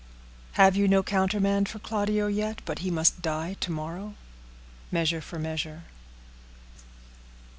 Have you no countermand for Claudio yet, But he must die to morrow? _—Measure for Measure.